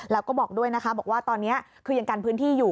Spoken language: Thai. แล้วก็บอกด้วยนะคะบอกว่าตอนนี้คือยังกันพื้นที่อยู่